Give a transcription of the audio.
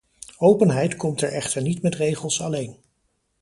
Openheid komt er echter niet met regels alleen.